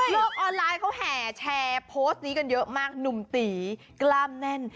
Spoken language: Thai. ออนไลน์เขาแห่แชร์โพสต์นี้กันเยอะมากหนุ่มตีกล้ามแน่น